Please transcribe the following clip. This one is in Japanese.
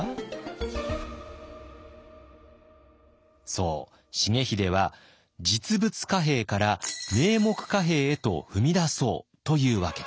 そう重秀は実物貨幣から名目貨幣へと踏み出そうというわけです。